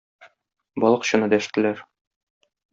Балыкчыны дәштеләр.